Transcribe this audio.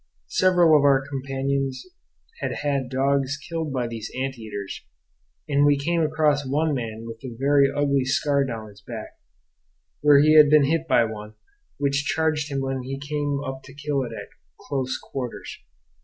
Several of our companions had had dogs killed by these ant eaters; and we came across one man with a very ugly scar down his back, where he had been hit by one, which charged him when he came up to kill it at close quarters.